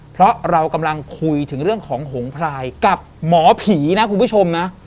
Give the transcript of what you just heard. เพราะเรากำลังคุยถึงเรื่องของหงพลายกับหมอผีนะคุณผู้ชมนะ